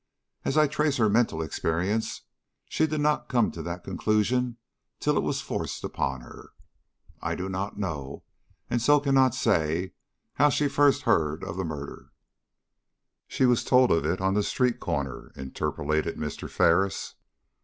As I trace her mental experience, she did not come to that conclusion till it was forced upon her. I do not know, and so cannot say, how she first heard of the murder " "She was told of it on the street corner," interpolated Mr. Ferris.